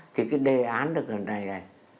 thì cái đề án được gần đây này